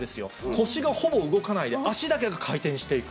腰がほぼ動かないで、足だけが回転していく。